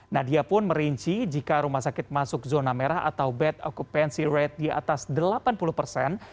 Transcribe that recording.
nadia pun merinci jika rumah sakit masuk zona merah atau bed occupancy rate di atas delapan puluh persen